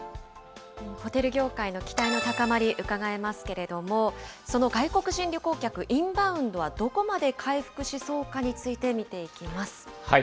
ホテル業界の期待の高まり、うかがえますけれども、その外国人旅行客、インバウンドはどこまで回復しそうかについて見ていきます。